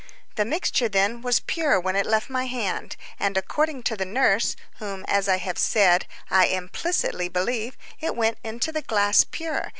The mixture, then, was pure when it left my hand, and, according to the nurse, whom, as I have said, I implicitly believe, it went into the glass pure.